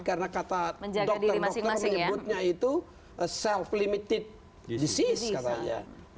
karena kata dokter dokter menyebutnya itu self limited disease